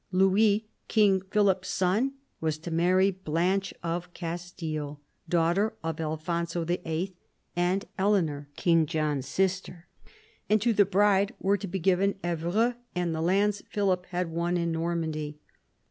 Louis, King Philip's son, was to marry Blanche of Castile, daughter of Alfonso VIII. and Eleanor, King John's sister, and to the bride were to be given Evreux and the lands Philip had won in Normandy.